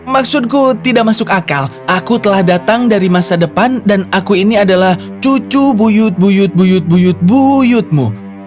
maksudku tidak masuk akal aku telah datang dari masa depan dan aku ini adalah cucu buyut buyut buyut buyut buyutmu